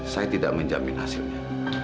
saya tidak menjamin hasilnya